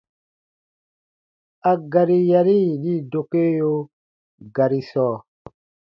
A gari yari yini dokeo gari sɔɔ: